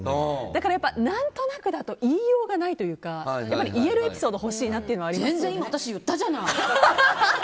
だから、何となくだと言いようがないというか言えるエピソードが欲しいというのは私、今言ったじゃない！